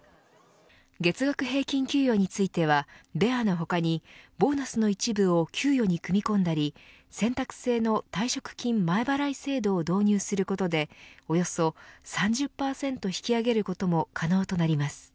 月額平均給与についてはベアの他にボーナスの一部を給与に組み込んだり選択制の退職金前払い制度を導入することでおよそ３０％引き上げることも可能となります。